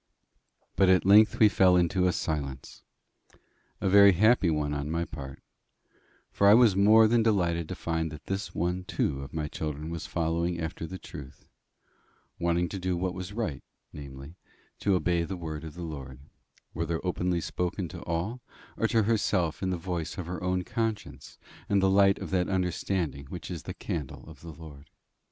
But at length we fell into a silence, a very happy one on my part; for I was more than delighted to find that this one too of my children was following after the truth wanting to do what was right, namely, to obey the word of the Lord, whether openly spoken to all, or to herself in the voice of her own conscience and the light of that understanding which is the candle of the Lord.